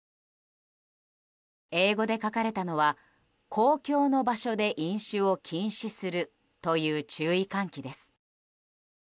英語で書かれたのは公共の場所で飲酒を禁止するという注意喚起です。